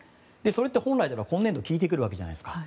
それって本来なら今年度効いてくるわけじゃないですか。